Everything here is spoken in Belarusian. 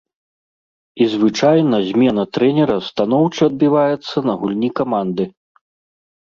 І звычайна змена трэнера станоўча адбіваецца на гульні каманды.